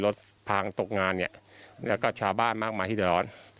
รถพังตกงานเนี่ยแล้วก็ชาวบ้านมากมายที่เดือดร้อน